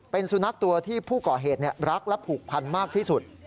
เป็นสุนัขตัวที่ผู้ก่อเหตุรักและผูกพันมากที่สุด